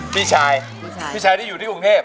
พี่ชายพี่ชายที่อยู่ที่กรุงเทพ